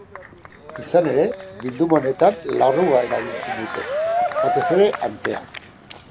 Izan ere, bilduma honetan larrua erabili dute, batez ere, antea.